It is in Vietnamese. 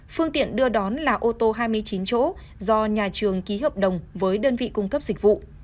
phương tiện đưa đón là ô tô hai mươi chín chỗ do nhà trường ký hợp đồng với đơn vị cung cấp dịch vụ